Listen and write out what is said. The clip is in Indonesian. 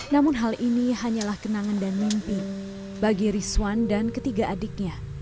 namun hal ini hanyalah kenangan dan mimpi bagi rizwan dan ketiga adiknya